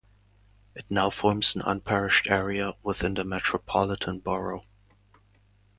It now forms an unparished area within the metropolitan borough.